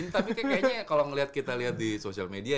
tapi kayaknya kalau kita lihat di social media ya